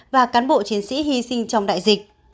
và cán bộ chiến sĩ hy sinh trong đại dịch